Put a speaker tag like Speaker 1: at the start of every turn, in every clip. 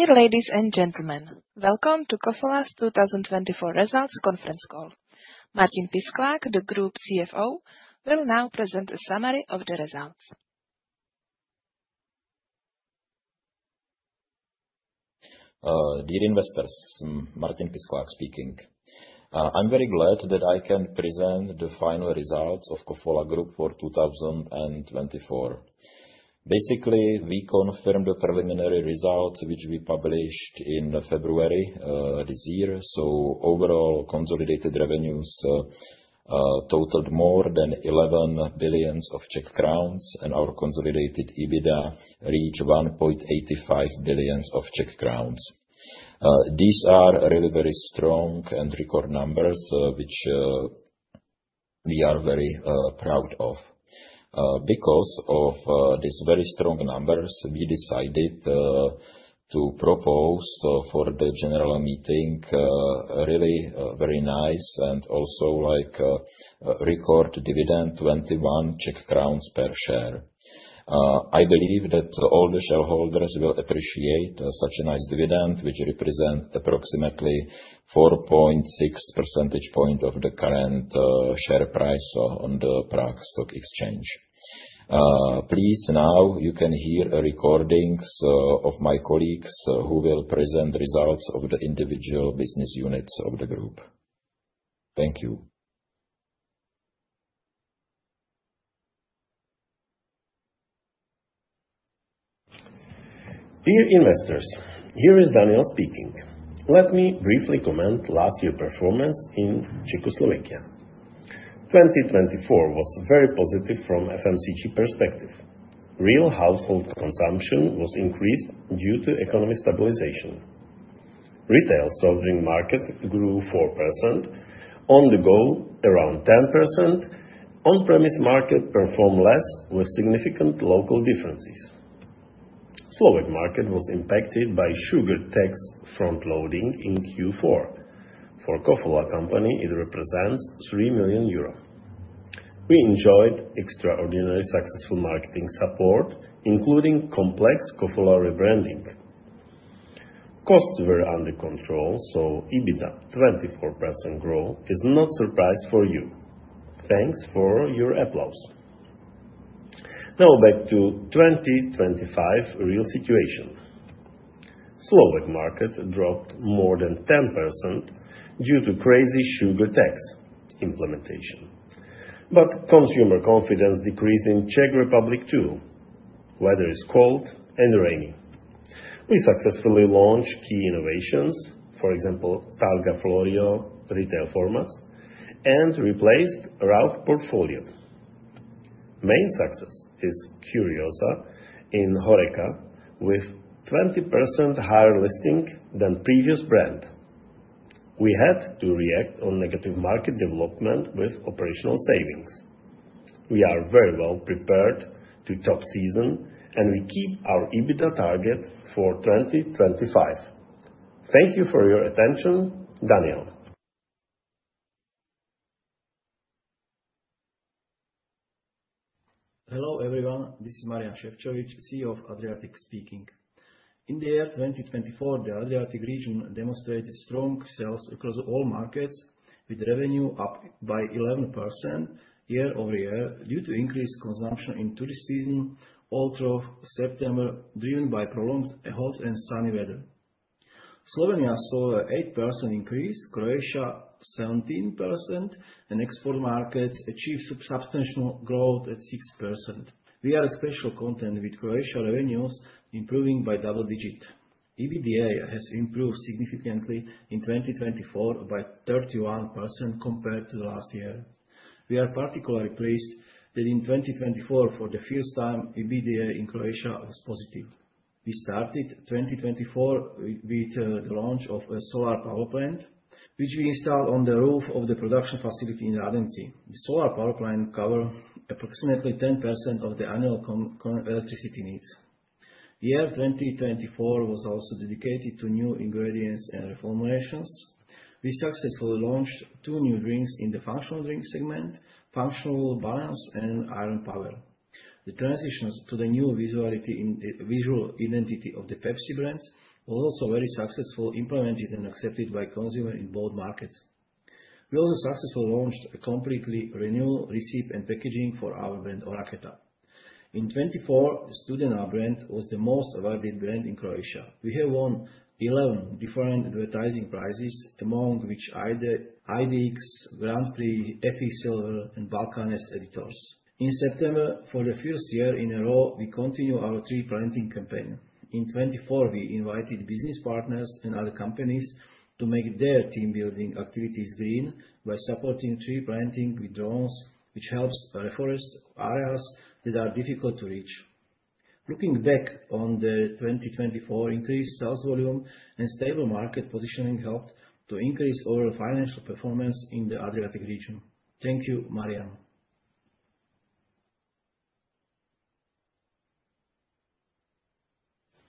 Speaker 1: Dear ladies and gentlemen, welcome to Kofola's 2024 results conference call. Martin Pisklak, the Group CFO, will now present a summary of the results.
Speaker 2: Dear investors, Martin Pisklak speaking. I'm very glad that I can present the final results of Kofola Group for 2024. Basically, we confirmed the preliminary results, which we published in February this year. So, overall, consolidated revenues totaled more than 11 billion, and our consolidated EBITDA reached 1.85 billion. These are really very strong and record numbers, which we are very proud of. Because of these very strong numbers, we decided to propose for the general meeting a really very nice and also record dividend: 21 crowns per share. I believe that all the shareholders will appreciate such a nice dividend, which represents approximately 4.6 percentage points of the current share price on the Prague Stock Exchange. Please, now you can hear recordings of my colleagues who will present results of the individual business units of the Group. Thank you.
Speaker 3: Dear investors, here is Daniel speaking. Let me briefly comment on last year's performance in Czechoslovakia. 2024 was very positive from FMCG perspective. Real household consumption was increased due to economic stabilization. Retail sovereign market grew 4%, on-the-go around 10%, on-premise market performed less with significant local differences. The Slovak market was impacted by sugar tax front-loading in Q4. For Kofola company, it represents 3 million euros. We enjoyed extraordinary successful marketing support, including complex Kofola rebranding. Costs were under control, so EBITDA 24% growth is not a surprise for you. Thanks for your applause. Now, back to 2025 real situation. The Slovak market dropped more than 10% due to crazy sugar tax implementation. Consumer confidence decreased in the Czech Republic too, whether it's cold and rainy. We successfully launched key innovations, for example, Targa Florio retail formats, and replaced Rauch's portfolio. Main success is Curiosa in HoReCa, with 20% higher listing than the previous brand. We had to react to negative market development with operational savings. We are very well prepared to top season, and we keep our EBITDA target for 2025. Thank you for your attention, Daniel.
Speaker 4: Hello, everyone. This is Marián Šefčovič, CEO of Adriatic speaking. In the year 2024, the Adriatic region demonstrated strong sales across all markets, with revenue up by 11% year-over-year due to increased consumption in tourist season although September, driven by prolonged cold and sunny weather. Slovenia saw an 8% increase, Croatia 17%, and export markets achieved substantial growth at 6%. We are especially content with Croatia's revenues improving by double digits. EBITDA has improved significantly in 2024 by 31% compared to last year. We are particularly pleased that in 2024, for the first time, EBITDA in Croatia was positive. We started 2024 with the launch of a solar power plant, which we installed on the roof of the production facility in Radenci. The solar power plant covers approximately 10% of the annual electricity needs. The year 2024 was also dedicated to new ingredients and reformulations. We successfully launched two new drinks in the functional drink segment: Functional Balance and Iron Power. The transition to the new visual identity of the Pepsi brands was also very successfully implemented and accepted by consumers in both markets. We also successfully launched a completely renewed recipe and packaging for our brand, Oraketa. In 2024, Studena brand was the most awarded brand in Croatia. We have won 11 different advertising prizes, among which are IDX, Grand Prix, FE Silver, and Balkans editors. In September, for the first year in a row, we continue our tree planting campaign. In 2024, we invited business partners and other companies to make their team-building activities green by supporting tree planting with drones, which helps reforest areas that are difficult to reach. Looking back on 2024, increased sales volume and stable market positioning helped to increase overall financial performance in the Adriatic region. Thank you, Marián.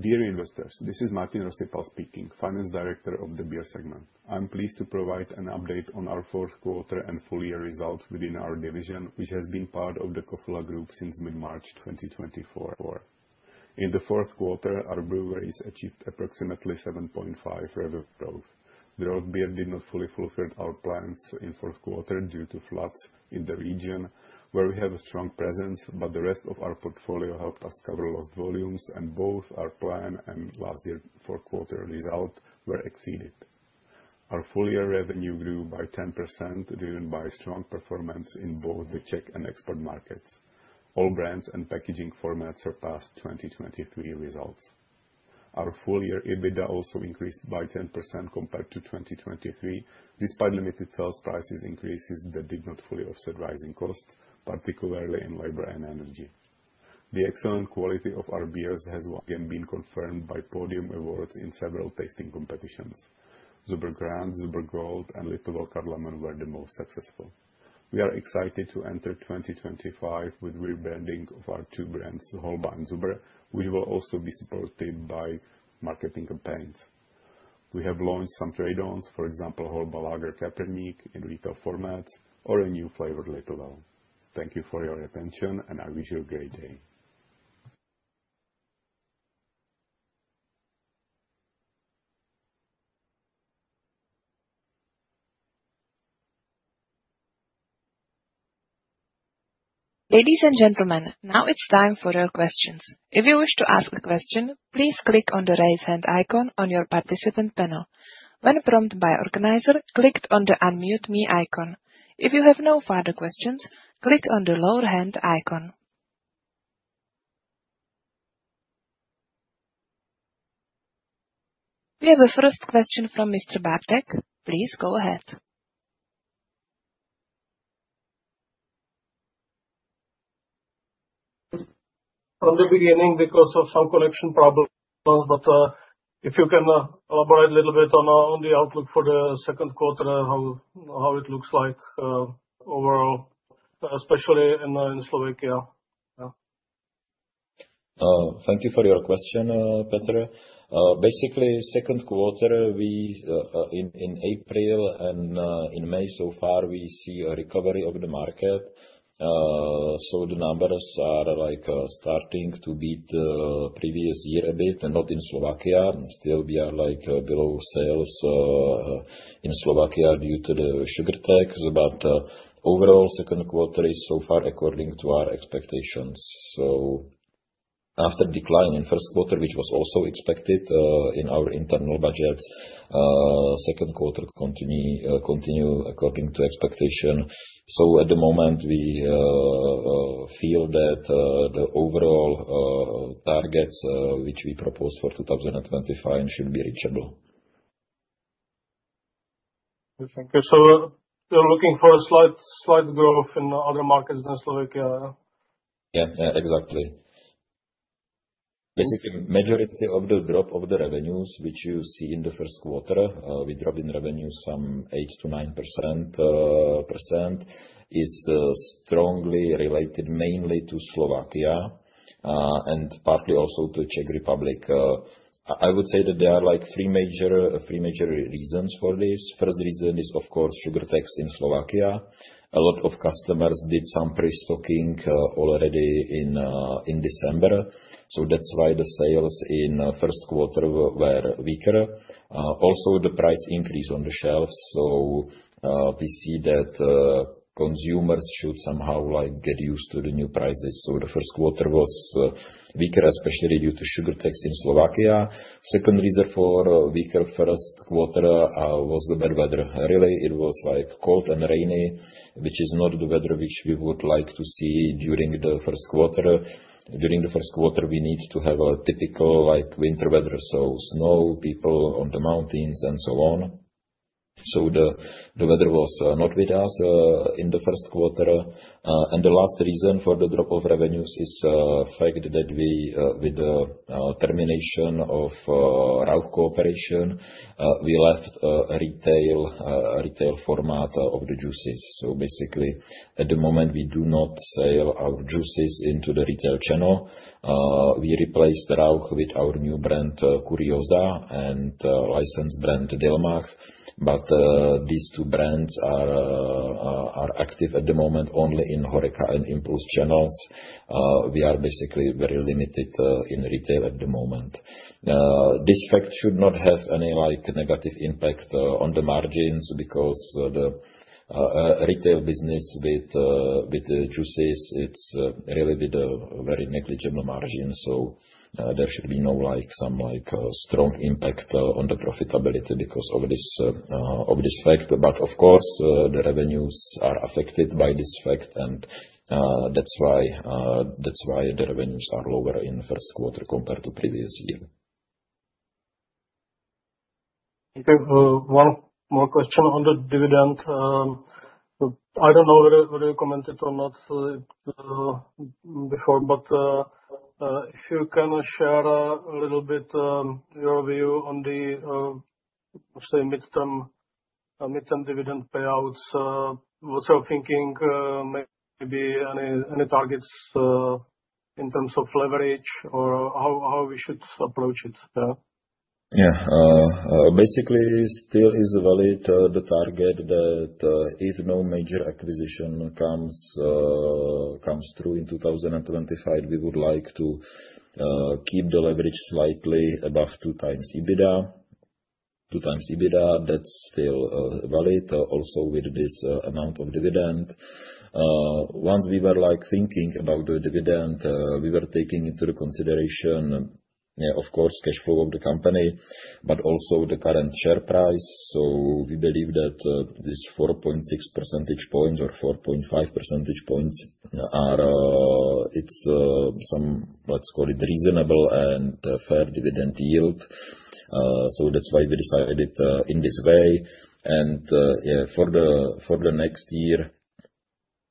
Speaker 5: Dear investors, this is Martin Rosypal speaking, Finance Director of the Beer Segment. I'm pleased to provide an update on our fourth quarter and full-year results within our division, which has been part of the Kofola Group since mid-March 2024. In the fourth quarter, our breweries achieved approximately 7.5% revenue growth. The Holba beer did not fully fulfill our plans in the fourth quarter due to floods in the region, where we have a strong presence, but the rest of our portfolio helped us cover lost volumes, and both our plan and last year's fourth quarter results were exceeded. Our full-year revenue grew by 10%, driven by strong performance in both the Czech and export markets. All brands and packaging formats surpassed 2023 results. Our full-year EBITDA also increased by 10% compared to 2023, despite limited sales price increases that did not fully offset rising costs, particularly in labor and energy. The excellent quality of our beers has again been confirmed by podium awards in several tasting competitions. Zubr Grand, Zubr Gold, and Litovel were the most successful. We are excited to enter 2025 with rebranding of our two brands, Holba and Zubr, which will also be supported by marketing campaigns. We have launched some trade-ons, for example, Holba lager Keprník in retail formats or a new flavored Litovel. Thank you for your attention, and I wish you a great day.
Speaker 1: Ladies and gentlemen, now it's time for your questions. If you wish to ask a question, please click on the raise hand icon on your participant panel. When prompted by the organizer, click on the unmute me icon. If you have no further questions, click on the lower hand icon. We have a first question from Mr. Bartek. Please go ahead.
Speaker 6: From the beginning, because of some connection problems, but if you can elaborate a little bit on the outlook for the second quarter, how it looks like overall, especially in Slovakia.
Speaker 2: Thank you for your question, Petr. Basically, second quarter, in April and in May so far, we see a recovery of the market. The numbers are starting to beat the previous year a bit, not in Slovakia. Still, we are below sales in Slovakia due to the sugar tax, but overall, second quarter is so far according to our expectations. After a decline in the first quarter, which was also expected in our internal budgets, the second quarter continued according to expectations. At the moment, we feel that the overall targets which we proposed for 2025 should be reachable.
Speaker 6: Thank you. So you're looking for a slight growth in other markets than Slovakia?
Speaker 2: Yeah, exactly. Basically, the majority of the drop of the revenues, which you see in the first quarter, we dropped in revenues some 8%-9%, is strongly related mainly to Slovakia and partly also to the Czech Republic. I would say that there are three major reasons for this. The first reason is, of course, sugar tax in Slovakia. A lot of customers did some pre-stocking already in December, so that's why the sales in the first quarter were weaker. Also, the price increase on the shelves. We see that consumers should somehow get used to the new prices. The first quarter was weaker, especially due to sugar tax in Slovakia. The second reason for a weaker first quarter was the bad weather. Really, it was cold and rainy, which is not the weather which we would like to see during the first quarter. During the first quarter, we need to have typical winter weather, so snow, people on the mountains, and so on. The weather was not with us in the first quarter. The last reason for the drop of revenues is the fact that with the termination of Rauch cooperation, we left the retail format of the juices. Basically, at the moment, we do not sell our juices into the retail channel. We replaced Rauch with our new brand, Curiosa, and licensed brand Dilmah. These two brands are active at the moment only in HoReCa and Impulse channels. We are basically very limited in retail at the moment. This fact should not have any negative impact on the margins because the retail business with the juices is really with a very negligible margin. There should be no strong impact on the profitability because of this fact. Of course, the revenues are affected by this fact, and that's why the revenues are lower in the first quarter compared to the previous year.
Speaker 6: One more question on the dividend. I don't know whether you commented on that before, but if you can share a little bit your view on the mid-term dividend payouts, what's your thinking? Maybe any targets in terms of leverage or how we should approach it?
Speaker 2: Yeah. Basically, still it is valid the target that if no major acquisition comes through in 2025, we would like to keep the leverage slightly above 2x EBITDA. 2x EBITDA, that's still valid also with this amount of dividend. Once we were thinking about the dividend, we were taking into consideration, of course, cash flow of the company, but also the current share price. We believe that these 4.6 percentage points or 4.5 percentage points are some, let's call it, reasonable and fair dividend yield. That is why we decided in this way. For the next year,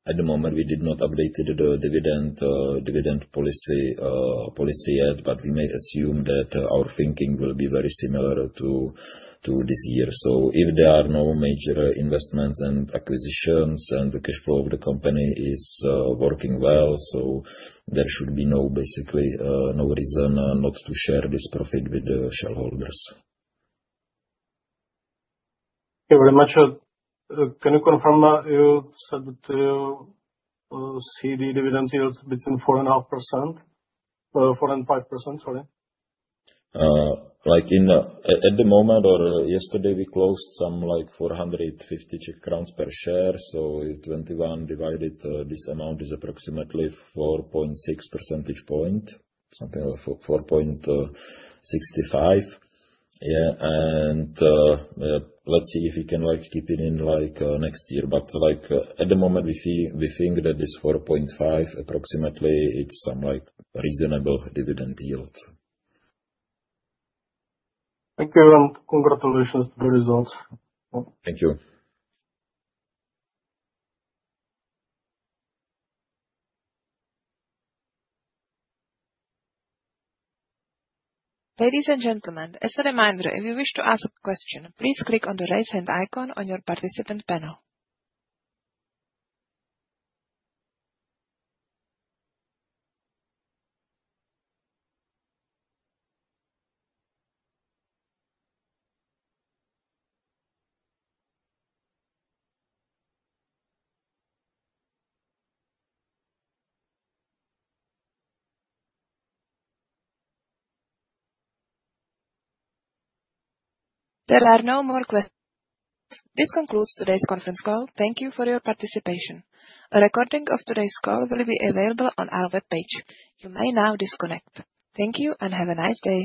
Speaker 2: at the moment, we did not update the dividend policy yet, but we may assume that our thinking will be very similar to this year. If there are no major investments and acquisitions and the cash flow of the company is working well, there should be basically no reason not to share this profit with the shareholders.
Speaker 6: Very much. Can you confirm you said that you see the dividend yield between 4.5% and 5%?
Speaker 2: At the moment, or yesterday, we closed some 450 Czech crowns per share. If 21 divided this amount is approximately 4.6 percentage points, something like 4.65 percentage points. Let's see if we can keep it in next year. At the moment, we think that this 4.5% approximately is some reasonable dividend yield.
Speaker 6: Thank you. Congratulations to the results.
Speaker 2: Thank you.
Speaker 1: Ladies and gentlemen, as a reminder, if you wish to ask a question, please click on the raise hand icon on your participant panel. There are no more questions. This concludes today's conference call. Thank you for your participation. A recording of today's call will be available on our web page. You may now disconnect. Thank you and have a nice day.